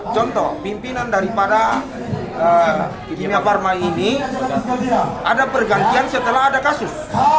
contoh pimpinan dari pada kimia farma ini ada pergantian setelah ada kasus